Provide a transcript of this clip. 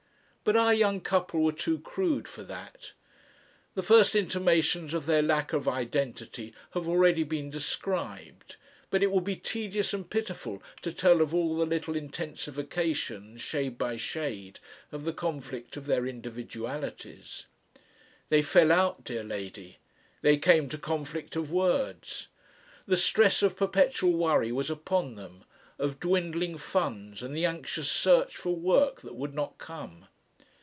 But our young couple were too crude for that. The first intimations of their lack of identity have already been described, but it would be tedious and pitiful to tell of all the little intensifications, shade by shade, of the conflict of their individualities. They fell out, dear lady! they came to conflict of words. The stress of perpetual worry was upon them, of dwindling funds and the anxious search for work that would not come.